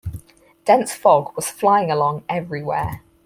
Dense fog was flying along everywhere.